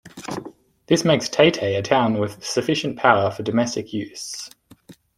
This makes Taytay a town with sufficient power for domestic use.